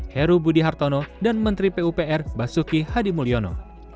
heru budi hartono dan menteri pupr basuki hadimulyono